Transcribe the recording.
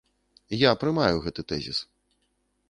Я прымаю гэты тэзіс.